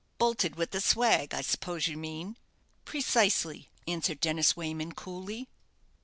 "Bolted with the swag, I suppose you mean?" "Precisely!" answered Dennis Wayman, coolly.